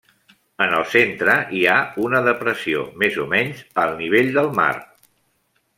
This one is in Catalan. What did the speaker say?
En el centre hi ha una depressió més o menys al nivell del mar.